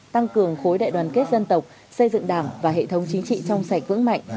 tăng cường khối đại đoàn kết dân tộc xây dựng đảng và hệ thống chính trị trong sạch vững mạnh